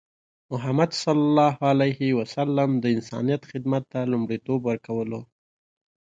محمد صلى الله عليه وسلم د انسانیت خدمت ته لومړیتوب ورکوله.